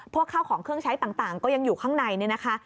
ข้าวของเครื่องใช้ต่างก็ยังอยู่ข้างในเนี่ยนะคะ